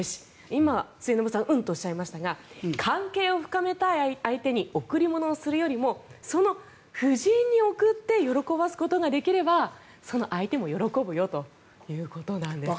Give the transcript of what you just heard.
今、末延さんうんとおっしゃいましたが関係を深めたい相手に贈り物をするよりもその夫人に送って喜ばすことができればその相手も喜ぶよということなんです。